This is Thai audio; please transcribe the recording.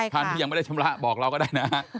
ท่านที่ยังไม่ได้ชำระบอกเราก็ได้นะฮะ